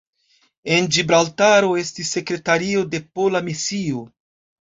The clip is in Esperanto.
En Ĝibraltaro estis sekretario de pola misio.